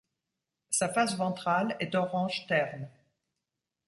Sa face ventrale est orange terne.